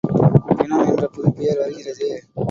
பிணம் என்ற புதுப்பெயர் வருகிறது.